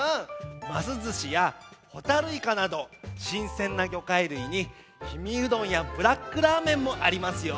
「ますずし」や「ホタルイカ」などしんせんなぎょかいるいに「氷見うどん」や「ブラックラーメン」もありますよ。